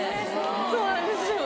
そうなんです。